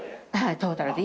トータルで。